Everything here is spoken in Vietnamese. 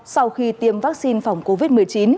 sau khi tiêm vắc xin phòng covid một mươi chín